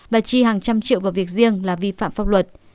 và chi hàng trăm triệu vào việc riêng là vi phạm pháp luật